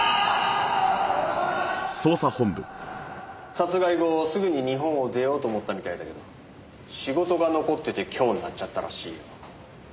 殺害後すぐに日本を出ようと思ったみたいだけど仕事が残ってて今日になっちゃったらしいよ。